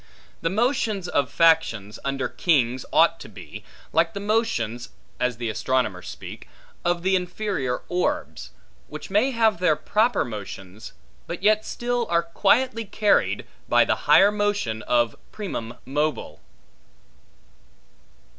The motions of factions under kings ought to be, like the motions (as the astronomers speak) of the inferior orbs, which may have their proper motions, but yet still are quietly carried, by the higher motion of primum mobile.